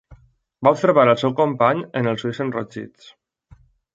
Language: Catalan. Va observar el seu company amb els ulls enrogits.